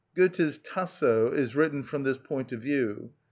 Goethe's "Tasso" is written from this point of view.